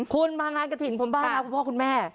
คุณมางานกฏินผมบ้างคุณพ่อคุณแม่